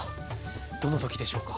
どの時でしょうか？